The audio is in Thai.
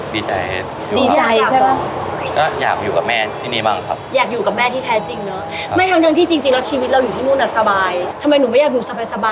มีขอเสนออยากให้แม่หน่อยอ่อนสิทธิ์การเลี้ยงดู